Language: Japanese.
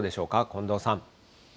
近藤さん。